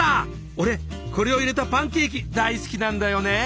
俺これを入れたパンケーキ大好きなんだよね。